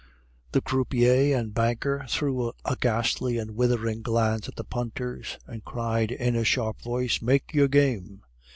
The croupier and banker threw a ghastly and withering glance at the punters, and cried, in a sharp voice, "Make your game!"